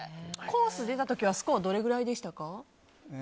コースに出た時はスコアはどれくらいでしたか？